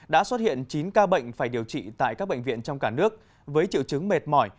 đã xuất hiện chín ca bệnh phải điều trị tại các bệnh viện trong cả nước với triệu chứng mệt mỏi